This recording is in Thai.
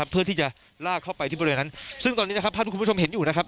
เพื่อที่จะลากเข้าไปที่บริเวณนั้นซึ่งตอนนี้ถ้าทุกคุณผู้ชมเห็นอยู่